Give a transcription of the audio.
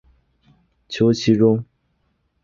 求其中